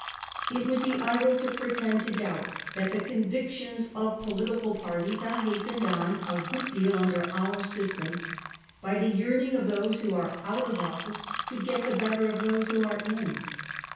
It would be idle to pretend to doubt that the con victions of political parties are hastened on a good deal under our system by the yearning of those who are out of office to get the better of those who are in.